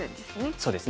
そうですね。